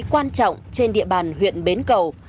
quan trọng trên địa bàn huyện bến cầu